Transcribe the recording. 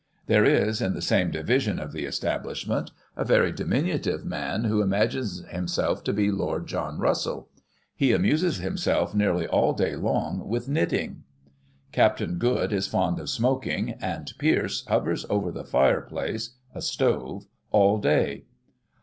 There is, in the same division of the establishment, a very diminutive man, who imagines himself to be Lord John Russell. He amuses him self, nearly all day long, with knitting. Captain Good is fond of smoking, and Pierce hovers over the fireplace (a stove) all day.